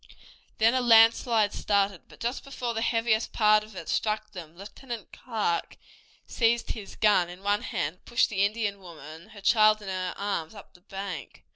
Then a landslide started, but just before the heaviest part of it struck them Lieutenant Clark seized his gun in one hand, and pushed the Indian woman, her child in her arms, up the bank.